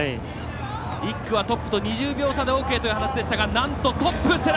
１区はトップと２０秒差でＯＫという話でしたがなんとトップ、世羅。